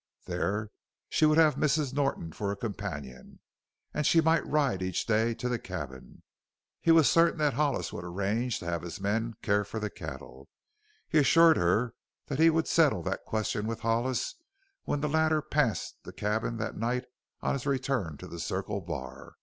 There she would have Mrs. Norton for a companion, and she might ride each day to the cabin. He was certain that Hollis would arrange to have his men care for the cattle. He assured her that he would settle that question with Hollis when the latter passed the cabin that night on his return to the Circle Bar.